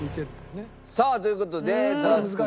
さあという事でザワつく！